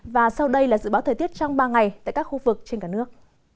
và sau đây là dự báo thời tiết trong ba ngày tại các khu vực trên cả nước